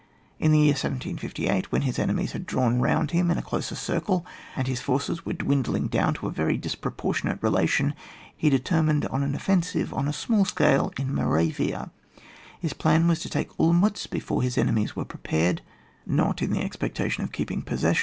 In the year 1758 when his enemies had drawn round him in a closer circle, and his forces were dwindling down to a very disproportionate relation, he determined on an offensive on a small scale in Moravia: his plan was to take Olmlitz before his enemies were prepared ; not in the expectation of keeping posses 74 ON WAR.